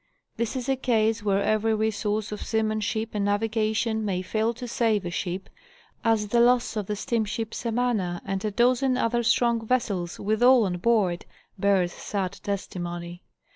This is a case where every resource of seamanship and navigation may fail to save a ship, as the loss of the steamship "Samana" and a dozen other strong vessels, with all on board, bears sad testimony.